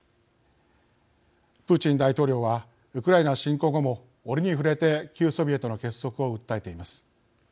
プーチン大統領はウクライナ侵攻後も折に触れて旧ソビエトの結束を訴えています。